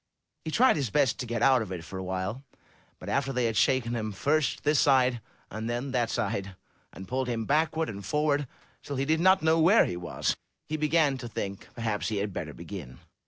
He tried his best to get out of it for a while, but after they had shaken him first this side, and then that side, and pulled him backward and forward till he did not know where he was, he began to think perhaps he had better begin.